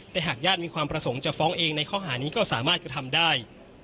แต่หากญาติมีความประสงค์จะฟ้องเองในข้อหานี้ก็สามารถกระทำได้